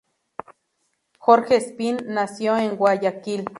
Jorge Espín nació en Guayaquil.